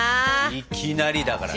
いきなりだからね。